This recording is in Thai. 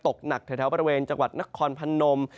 ตกหนักแถวบริเวณจังหวัดนครพนม